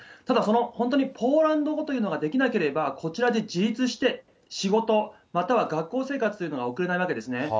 ただ、本当にポーランド語というのができなければ、こちらで自立して仕事、または学校生活というのが送れないわけですね。